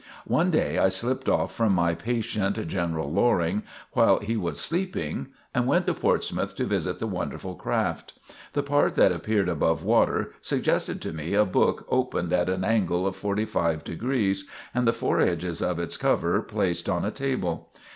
One day I slipped off from my patient, General Loring, while he was sleeping, and went to Portsmouth to visit the wonderful craft. The part that appeared above water suggested to me a book opened at an angle of forty five degrees and the fore edges of its cover placed on a table.